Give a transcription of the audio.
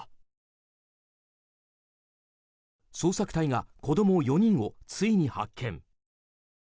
捜索隊が子供４人をついに発見。